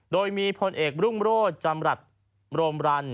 โดยมีพลเอกรุ่งโรธจำรัฐโรมรัน